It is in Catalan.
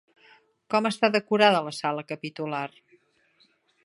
Com està decorada la sala capitular?